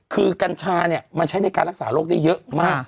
คือกัญชาเนี่ยมันใช้ในการรักษาโรคได้เยอะมาก